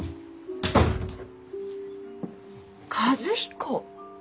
和彦。